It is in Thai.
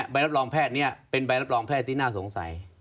ใบรับรองแพทย์นี้เป็นใบรับรองแพทย์ที่น่าสงสัย